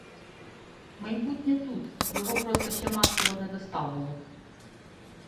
Майбутнє тут. Його просто ще масово не доставили.